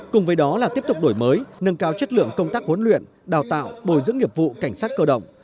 cùng với đó là tiếp tục đổi mới nâng cao chất lượng công tác huấn luyện đào tạo bồi dưỡng nghiệp vụ cảnh sát cơ động